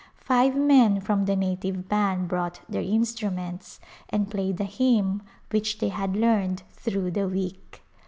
Five men from the native band brought their instruments and played a hymn which they had learned through the week.